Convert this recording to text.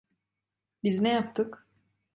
Biz ne yaptık?